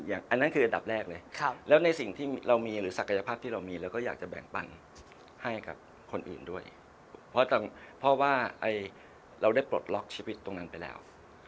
อันนั้นคืออันดับแรกเลยแล้วในสิ่งที่เรามีหรือศักยภาพที่เรามีเราก็อยากจะแบ่งปันให้กับคนอื่นด้วยเพราะว่าเราได้ปลดล็อกชีวิตตรงนั้นไปแล้ว